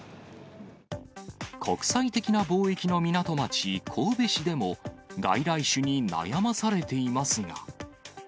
国際的な貿易の港町、神戸市でも、外来種に悩まされていますが。